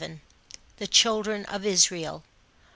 THE CHILDREN OP ISRAEL.